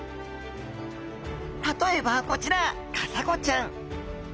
例えばこちらカサゴちゃん。